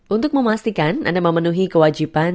untuk memastikan anda memenuhi kewajiban